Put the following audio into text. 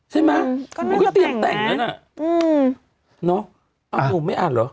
ใช่ไหมครับเขาก็เตรียมแต่งแล้วน่ะนะเนาะอ้าวผมไม่อ่านเหรอ